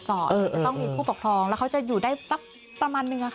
จะต้องมีผู้ปกครองแล้วเขาจะอยู่ได้สักประมาณนึง